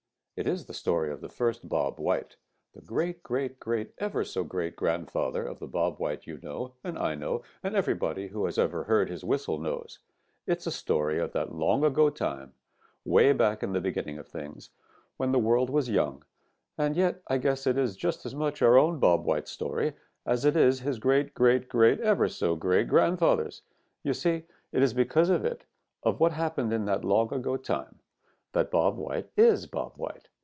It is the story of the first Bob White, the great great great ever so great grand father of the Bob White you know and I know and everybody who ever has heard his whistle knows. It is a story of that long ago time, way back in the beginning of things, when the world was young, and yet I guess it is just as much our own Bob White's story as it is his great great great ever so great grandfather's. You see, it is because of it, of what happened in that long ago time, that Bob White is Bob White.